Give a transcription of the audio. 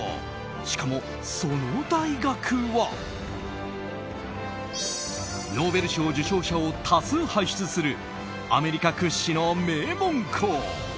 しかも、その大学はノーベル賞受賞者を多数輩出するアメリカ屈指の名門校。